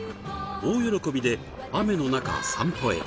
大喜びで雨の中散歩へ。